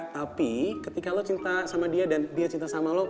tapi ketika lo cinta sama dia dan dia cinta sama lo